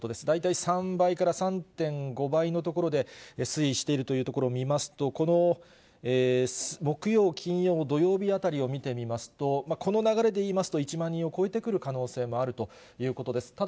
大体３倍から３．５倍のところで推移しているというところを見ますと、この木曜、金曜、土曜日あたりを見てみますと、この流れでいいますと１万人を超えてくる可能性もあるということです。